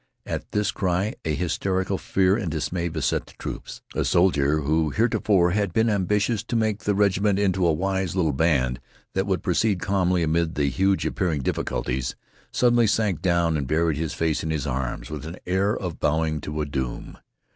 At this cry a hysterical fear and dismay beset the troops. A soldier, who heretofore had been ambitious to make the regiment into a wise little band that would proceed calmly amid the huge appearing difficulties, suddenly sank down and buried his face in his arms with an air of bowing to a doom.